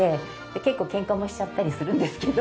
結構ケンカもしちゃったりするんですけど。